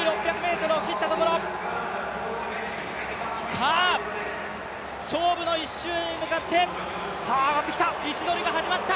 さあ、勝負の１周に向かって、位置取りが始まった！